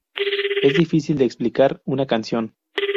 Es difícil de explicar una canción.